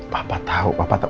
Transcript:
papa tau papa tau